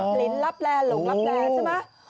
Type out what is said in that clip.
หลินลับแหล่หลงลับแหล่ใช่ไหม